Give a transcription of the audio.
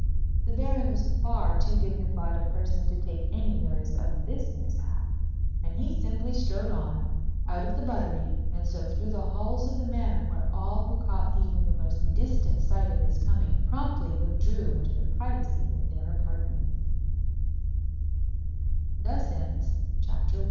The Baron was far too dignified a person to take any notice of this mishap, and he simply strode on, out of the buttery, and so through the halls of the Manor, where all who caught even the most distant sight of his coming, promptly withdrew into the privacy of the